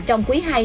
trong quý hai